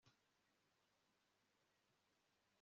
sinashoboraga gusinzira neza kuko hari urusaku hanze